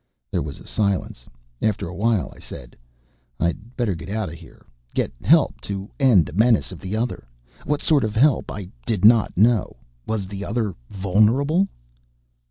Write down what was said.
There was a silence. After a while I said, "I'd better get out of here. Get help to end the menace of the other...." What sort of help I did not know. Was the Other vulnerable?